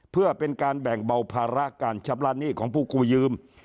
เพื่อเป็นการแบ่งเบาภาระการชำระหนี้ของผู้กู้ยืม